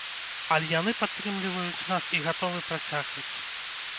Але яны падтрымліваюць нас і гатовы працягваць.